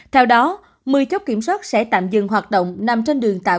theo đó một mươi chốt kiểm soát sẽ tạm dừng hoạt động nằm trên đường tạ quảng